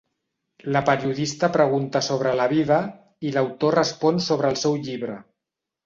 La periodista pregunta sobre la vida i l'autor respon sobre el seu llibre.